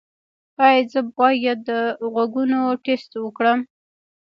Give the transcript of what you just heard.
ایا زه باید د غوږونو ټسټ وکړم؟